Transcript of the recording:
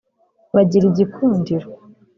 bagira igikundiro